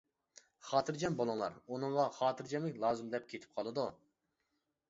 خاتىرجەم بۇلۇڭلار، ئۇنىڭغا خاتىرجەملىك لازىم دەپ كېتىپ قالىدۇ.